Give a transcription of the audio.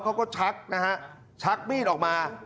เขาก็ชักนะฮะชักมีดออกมา